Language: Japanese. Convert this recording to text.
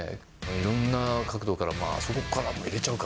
いろんな角度から、あそこからも入れちゃうか？